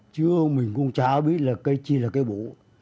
chứ mình cũng chả biết là cây chi là cây bổ